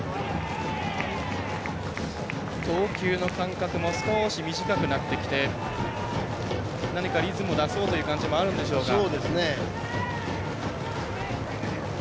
投球の間隔も短くなってきて何か、リズムを出そうという感じもあるんでしょうか。